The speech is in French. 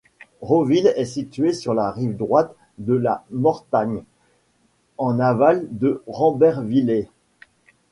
Roville est située sur la rive droite de la Mortagne, en aval de Rambervillers.